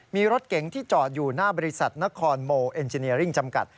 มีรถเก๋งที่จอดอยู่หน้าบริษัทนครโมจำกัด